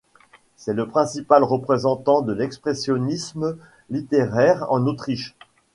C'est le principal représentant de l'expressionnisme littéraire en Autriche.